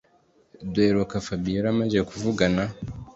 duherka fabiora amaze kuvugana